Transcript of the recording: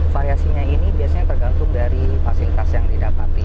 variasinya ini biasanya tergantung dari fasilitas yang didapati